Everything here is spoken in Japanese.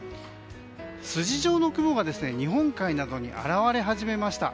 筋状の雲が日本海などに現れ始めました。